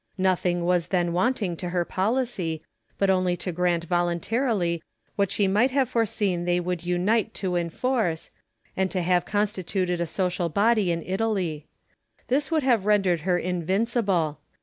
Nothing was then wanting to her policy, but only to grant voluntai'ily what she might have foreseen they would unite to enforce, and to have constituted a social body in Italy. This would have rendered her invincible.